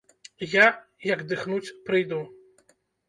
Я, як дыхнуць, прыйду.